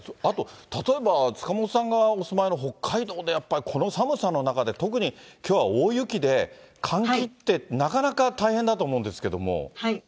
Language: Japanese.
あと、例えば、塚本さんがお住まいの北海道で、やっぱりこの寒さの中で、特に、きょうは大雪で、換気って、なかなか大変だと思うんですけれども。